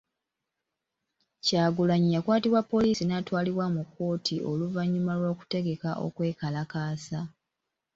Kyagulanyi yakwatibwa poliisi n'atwalibwa mu kkooti oluvannyuma lw'okutegeka okwekalaasa.